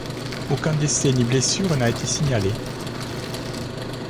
Aucun décès ni blessure n'a été signalée.